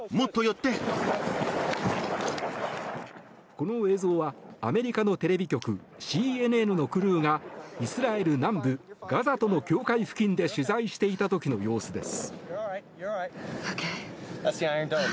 この映像はアメリカのテレビ局ＣＮＮのクルーがイスラエル南部ガザとの境界付近で取材していた時の様子です。